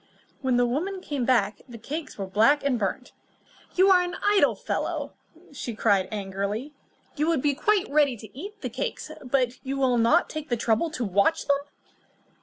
When the woman came back, the cakes were black and burnt. "You are an idle fellow," cried she angrily. "You would be quite ready to eat the cakes, but you will not take the trouble to watch them."